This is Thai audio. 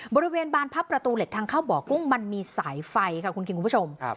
บริเวณบานพับประตูเหล็กทางเข้าบ่อกุ้งมันมีสายไฟค่ะคุณคิงคุณผู้ชม